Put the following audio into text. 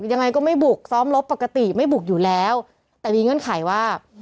ยังไงก็ไม่บุกซ้อมลบปกติไม่บุกอยู่แล้วแต่มีเงื่อนไขว่า